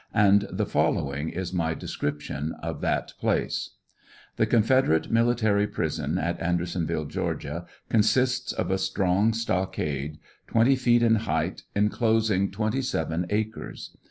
and the following is my descriipton of that place : The Confederate Military Prison at Andersonville, Ga. , consists of a strong stockade, twenty feet in height, enclosing twenty seven acres.